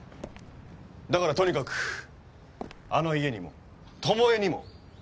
だからとにかくあの家にも巴にも近づくな。